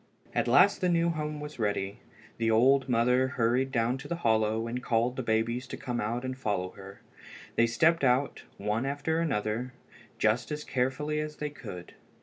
At last the new home was ready. The old mother hurried down to the hollow and called the babies to come out and follow her. They stepped out, one after another, just as carefully as they could.